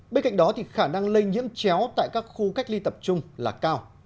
bên cạnh đó khả năng lây nhiễm chéo tại các khu cách ly tập trung là cao